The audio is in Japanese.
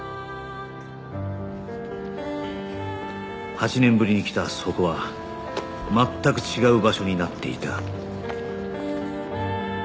８年ぶりに来たそこは全く違う場所になっていた